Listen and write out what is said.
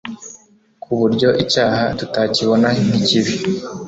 ku buryo icyaha tutakibona nk’ikibi.